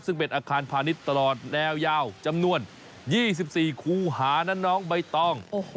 ซึ่งเป็นอาคารพาณิชย์ตลอดแนวยาวจำนวน๒๔คูหานะน้องใบตอง